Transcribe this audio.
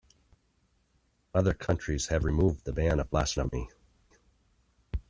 Other countries have removed the ban of blasphemy.